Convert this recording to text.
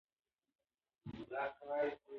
کورونه باید څنګه روښانه شي؟